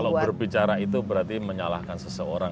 kalau berbicara itu berarti menyalahkan seseorang